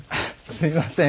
すいません。